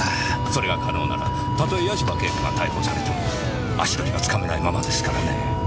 それが可能なら例え八島景子が逮捕されても足取りはつかめないままですからねぇ。